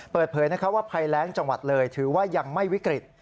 เปิดเผยว่าภัยแรงจังหวัดเลยถือว่ายังไม่วิกฤต